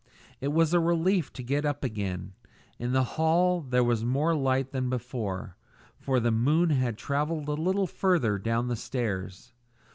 It was a relief to get up again. In the hall there was more light than before, for the moon had travelled a little further down the stairs.